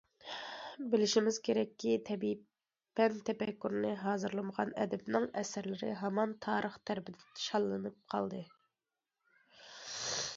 بىلىشىمىز كېرەككى، تەبىئىي پەن تەپەككۇرىنى ھازىرلىمىغان ئەدىبنىڭ ئەسەرلىرى ھامان تارىخ تەرىپىدىن شاللىنىپ قالدى.